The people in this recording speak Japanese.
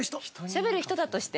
しゃべる人だとして？